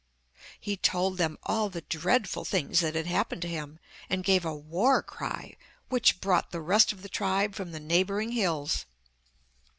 He told them all the dreadful things that had happened to him, and gave a war cry which brought the rest of the tribe from the neighbouring hills.